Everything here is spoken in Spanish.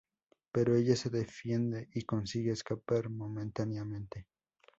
Pero ella se defiende y consigue escapar momentáneamente.